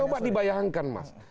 ya coba dibayangkan mas